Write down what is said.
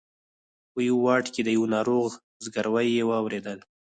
په یوه واټ کې د یوه ناروغ زګېروی یې واورېدل.